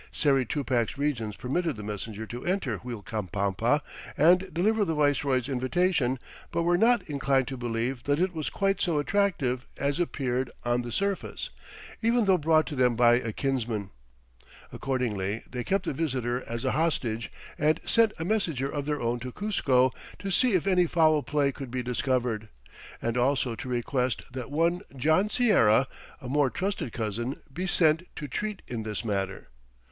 Sayri Tupac's regents permitted the messenger to enter Uilcapampa and deliver the viceroy's invitation, but were not inclined to believe that it was quite so attractive as appeared on the surface, even though brought to them by a kinsman. Accordingly, they kept the visitor as a hostage and sent a messenger of their own to Cuzco to see if any foul play could be discovered, and also to request that one John Sierra, a more trusted cousin, be sent to treat in this matter.